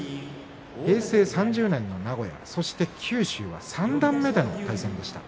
平成３０年の名古屋そして、九州は三段目での対戦でした。